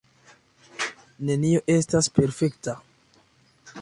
Nenio estas perfekta.